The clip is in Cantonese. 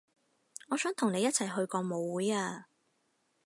我想同你一齊去個舞會啊